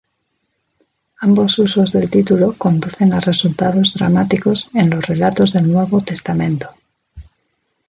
Ambos usos del título conducen a resultados dramáticos en los relatos del Nuevo Testamento.